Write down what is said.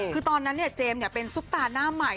คือตอนนั้นเจมส์เป็นซุปตาหน้าใหม่